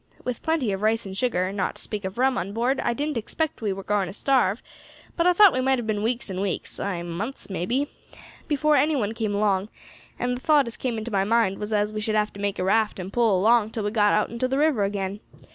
With plenty of rice and sugar, not to speak of rum, on board, I didn't expect we war going to starve, but I thought we might have been weeks and weeks ay, months, may be before any one came along, and the thought as came into my mind was as we should have to make a raft and pole along till we got out into the river again.